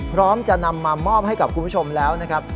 พร้อมจะนำมามอบให้กับคุณผู้ชมแล้วนะครับ